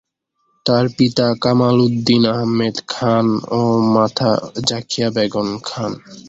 তার পিতা কামাল উদ্দিন আহমেদ খান ও মাতা জাকিয়া বেগম খান।